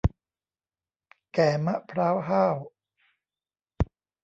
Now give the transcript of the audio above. แก่มะพร้าวห้าว